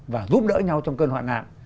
và giúp đỡ nhau trong cơn hoạn nạn